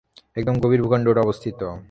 একদম গভীর ভূখন্ডে ওটা অবস্থিত।